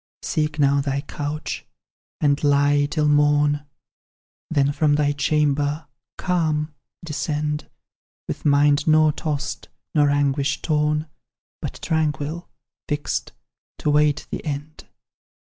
"Seek now thy couch, and lie till morn, Then from thy chamber, calm, descend, With mind nor tossed, nor anguish torn, But tranquil, fixed, to wait the end.